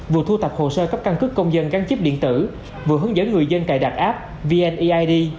vừa thu thập hồ sơ cấp căn cước công dân gắn chip điện tử vừa hướng dẫn người dân cài đặt app vneid